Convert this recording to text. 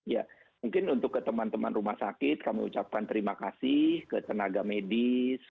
ya mungkin untuk ke teman teman rumah sakit kami ucapkan terima kasih ke tenaga medis